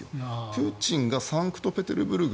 プーチンがサンクトペテルブルク